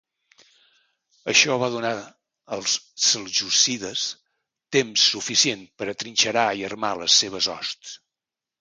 Això va donar als seljúcides temps suficient per atrinxerar i armar les seves hosts.